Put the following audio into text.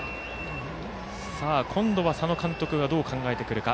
今度は佐野監督がどう考えてくるか。